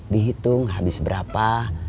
dihitung habis berapa